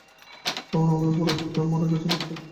বাবার আমলের পুরুত– সে তো মরে গেছে–ভূত হয়ে গেছে বৃন্দাবনে।